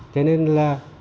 cho nên là